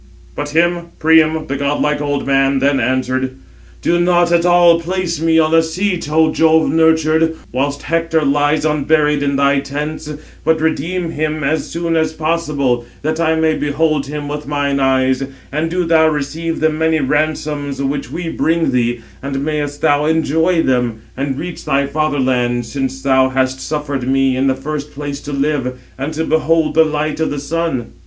But him Priam, the godlike old man, then, answered: "Do not at all place me on a seat, Ο Jove nurtured, whilst Hector lies unburied in thy tents; but redeem him as soon as possible, that I may behold him with mine eyes; and do thou receive the many ransoms which we bring thee; and mayest thou enjoy them, and reach thy father land, since thou hast suffered me in the first place to live, and to behold the light of the sun."